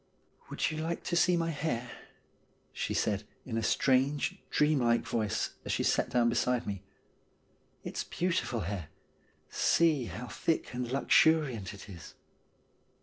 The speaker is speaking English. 'Would you like to see my hair ?' she said, in a strange, dreamlike voice as she sat down beside me. ' It's beautiful hair ; see how thick and luxuriant it is.'